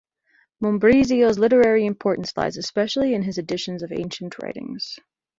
Mombrizio's literary importance lies especially in his editions of ancient writings.